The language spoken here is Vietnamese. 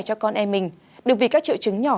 cho con em mình đừng vì các triệu chứng nhỏ